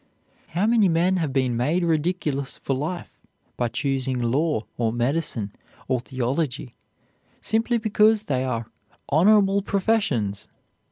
How many men have been made ridiculous for life by choosing law or medicine or theology, simply because they are "honorable professions"!